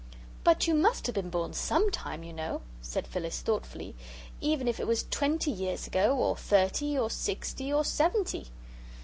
"But you must have been born SOMETIME, you know," said Phyllis, thoughtfully, "even if it was twenty years ago or thirty or sixty or seventy."